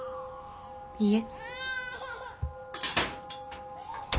いいえ。